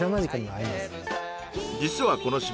実はこの島